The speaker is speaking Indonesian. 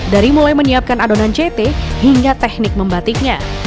dari mulai menyiapkan adonan ct hingga teknik membatiknya